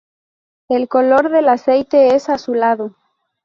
El color del aceite es azulado.